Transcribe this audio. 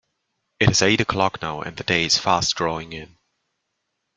It is eight o'clock now, and the day is fast drawing in.